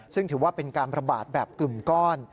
ซึ่งถือว่าเป็นการประบาดแบบกลุ่มก้อน